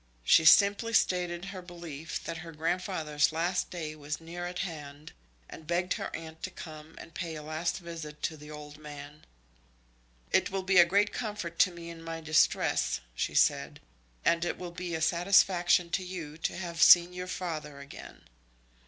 She simply stated her belief that her grandfather's last day was near at hand, and begged her aunt to come and pay a last visit to the old man. "It will be a great comfort to me in my distress," she said; "and it will be a satisfaction to you to have seen your father again."